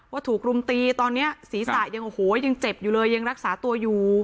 ถูกรุมตีตอนนี้ศีรษะยังโอ้โหยังเจ็บอยู่เลยยังรักษาตัวอยู่